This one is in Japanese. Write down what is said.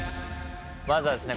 まずはですね